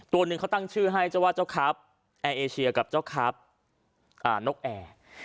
ตัวหนึ่งเขาตั้งชื่อให้เจ้าว่าเจ้าครับแอร์เอเชียกับเจ้าครับนกแอร์